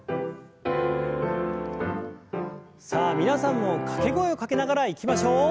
さあ皆さんも掛け声をかけながらいきましょう。